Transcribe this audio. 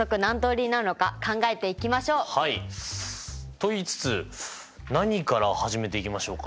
と言いつつ何から始めていきましょうか。